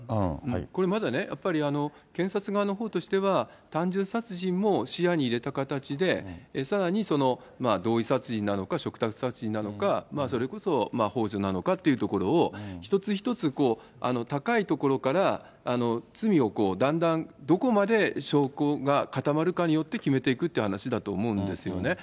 これ、まだね、やっぱり検察側のほうとしては、単純殺人も視野に入れた形で、さらにその同意殺人なのか、嘱託殺人なのか、それこそほう助なのかというところを、一つ一つ高い所から罪をだんだん、どこまで証拠が固まるかによって決めていくっていう話だと思うんですよね。